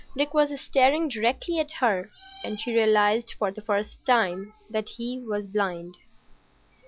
Dick was staring directly at her, and she realised for the first time that he was blind.